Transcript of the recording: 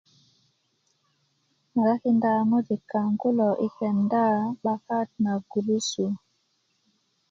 ŋarakinda ŋojik kaŋ kulo i kenda 'bakan na gurusu